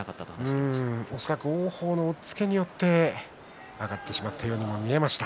そこが王鵬の押っつけによって体が浮いてしまったように見えました。